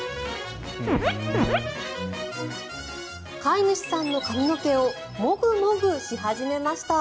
飼い主さんの髪の毛をモグモグし始めました。